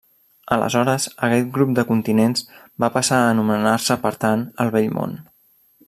Aleshores aquest grup de continents van passar a anomenar-se, per tant, el Vell Món.